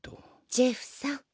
ジェフさん。